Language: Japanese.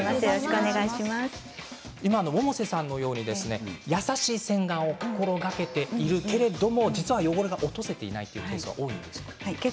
百瀬さんのように優しい洗顔を心がけているけれども実は汚れが落とせていないというケースが多いですね。